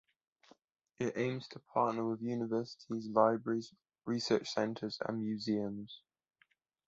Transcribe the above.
It aims to partner with universities, libraries, research centres and museums.